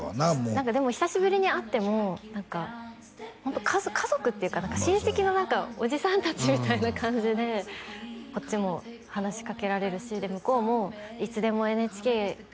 何かでも久しぶりに会っても何かホント家族っていうか親戚のおじさん達みたいな感じでこっちも話かけられるしで向こうもいつでも